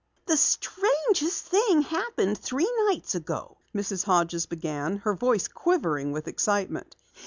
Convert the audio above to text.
"The strangest thing happened three nights ago," Mrs. Hodges began, her voice quivering with excitement.